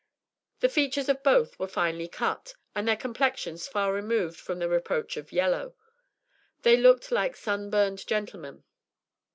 The features of both were finely cut, and their complexions far removed from the reproach of "yellow." They looked like sun burned gentlemen.